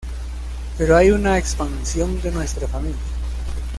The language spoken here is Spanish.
Pero hay una expansión de nuestra familia.